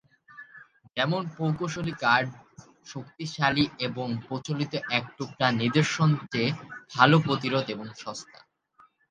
যেমন প্রকৌশলী কাঠ শক্তিশালী এবং প্রচলিত এক-টুকরা নিদর্শন চেয়ে ভাল প্রতিরোধ এবং সস্তা।